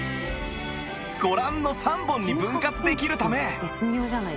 ご覧の３本に分割できるため